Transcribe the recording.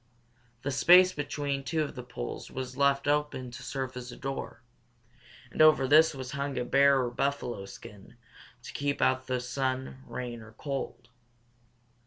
The space between two of the poles was left open to serve as a door, and over this was hung a bear or buffalo skin to keep out the sun, rain, or cold.